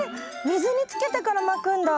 水につけてからまくんだ。